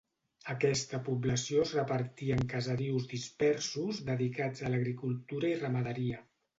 Aquesta població es repartia en caserius dispersos dedicats a l'agricultura i ramaderia.